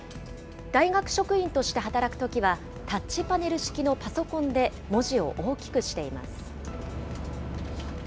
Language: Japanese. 大学職員として働くときは、タッチパネル式のパソコンで文字を大きくしています。